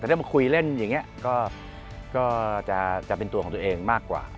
แต่ถ้ามาคุยเล่นอย่างนี้ก็จะเป็นตัวของตัวเองมากกว่า